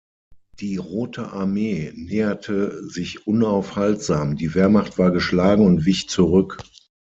Die Rote Armee näherte sich unaufhaltsam, die Wehrmacht war geschlagen und wich zurück.